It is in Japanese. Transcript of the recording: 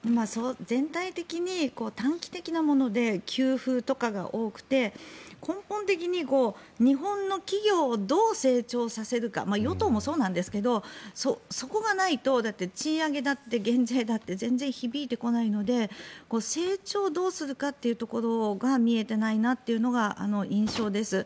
全体的に短期的なもので給付とかが多くて根本的に日本の企業をどう成長させるか与党もそうなんですがそこがないと賃上げだって減税だって全然響いてこないので成長をどうするかというところが見えていないなというのが印象です。